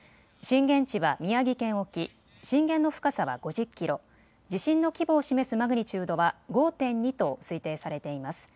震源地は宮城県沖震源の深さは５０キロ、地震の規模を示すマグニチュードは５．２と推定されています。